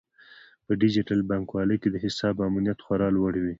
په ډیجیټل بانکوالۍ کې د حساب امنیت خورا لوړ وي.